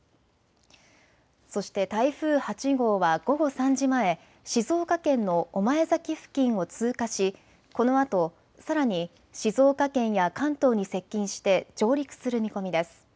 そして台風８号は午後３時前、静岡県の御前崎付近を通過しこのあとさらに静岡県や関東に接近して上陸する見込みです。